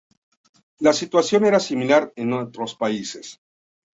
La situación era similar en otros países.